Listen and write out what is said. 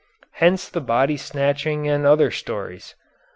Hence the body snatching and other stories.